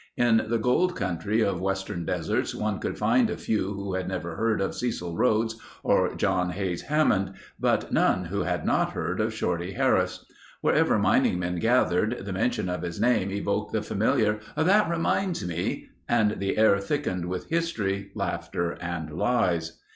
In the gold country of western deserts one could find a few who had never heard of Cecil Rhodes or John Hays Hammond, but none who had not heard of Shorty Harris. Wherever mining men gathered, the mention of his name evoked the familiar, "That reminds me," and the air thickened with history, laughter, and lies.